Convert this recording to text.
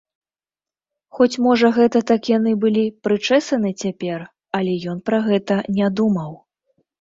Хоць, можа, гэта так яны былі прычэсаны цяпер, але ён пра гэта не думаў.